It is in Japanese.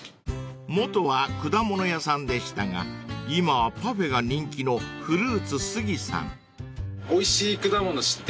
［元は果物屋さんでしたが今はパフェが人気のフルーツすぎさん］